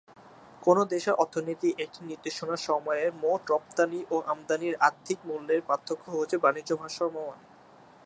কোন দেশের অর্থনীতির একটি নির্দিষ্ট সময়ের মোট রপ্তানি ও মোট আমদানির আর্থিক মূল্যের পার্থক্য হচ্ছে বাণিজ্য ভারসাম্য।